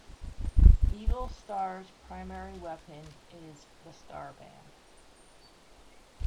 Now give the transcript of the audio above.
Evil Star's primary weapon is the "Starband".